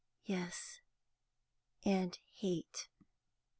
"Yes, and hate.